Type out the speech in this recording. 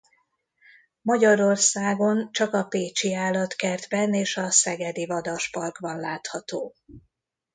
Magyarországon csak a Pécsi Állatkertben és a Szegedi Vadasparkban látható.